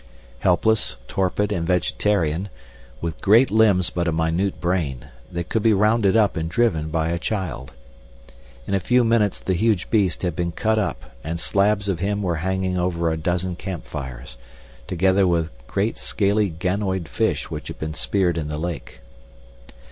Helpless, torpid, and vegetarian, with great limbs but a minute brain, they could be rounded up and driven by a child. In a few minutes the huge beast had been cut up and slabs of him were hanging over a dozen camp fires, together with great scaly ganoid fish which had been speared in the lake.